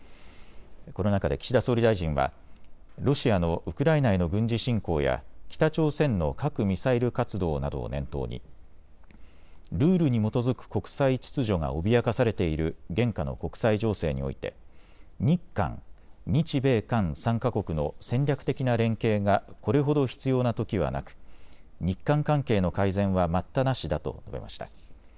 この中で岸田総理大臣はロシアのウクライナへの軍事侵攻や北朝鮮の核・ミサイル活動などを念頭にルールに基づく国際秩序が脅かされている現下の国際情勢において日韓、日米韓３か国の戦略的な連携がこれほど必要なときはなく、日韓関係の改善は待ったなしだと述べました。